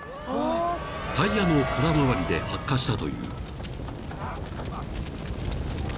［タイヤの空回りで発火したという］